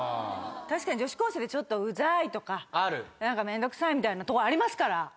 確かに女子高生でちょっとウザいとか何かめんどくさいみたいなとこありますから。